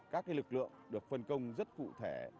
các lực lượng được phân công rất cụ thể